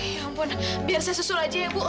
ya ampun biar saya susul aja ya bu